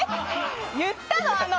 言ったの？